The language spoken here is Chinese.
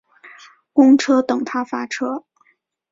公车等他发车